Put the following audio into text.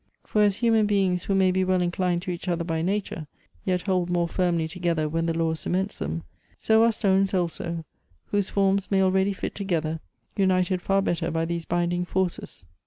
For as human beings who may be well inclined to each other by noture, yet hold more firmly together when the law cements them, so are stones also, whose forms may already fit together, united far better by these binding forces.